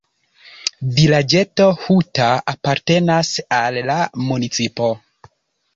Vilaĝeto "Huta" apartenas al la municipo.